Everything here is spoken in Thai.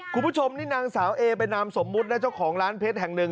คุณผู้ชมนี่นางสาวเอเป็นนามสมมุตินะเจ้าของร้านเพชรแห่งหนึ่ง